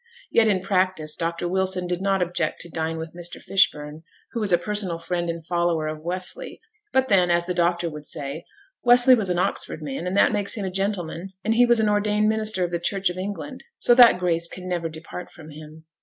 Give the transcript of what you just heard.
Yet in practice Dr Wilson did not object to dine with Mr. Fishburn, who was a personal friend and follower of Wesley, but then, as the doctor would say, 'Wesley was an Oxford man, and that makes him a gentleman; and he was an ordained minister of the Church of England, so that grace can never depart from him.'